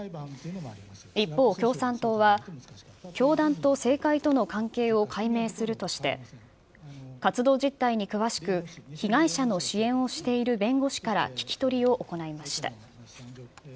一方、共産党は教団と政界との関係を解明するとして、活動実態に詳しく、被害者の支援をしている弁護士から聞き取りを行いました。